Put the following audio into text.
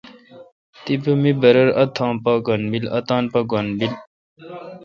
تپہ می دی برر اتاں پا گھن بیل۔